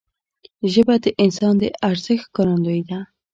ژبه د انسان د ارزښت ښکارندوی ده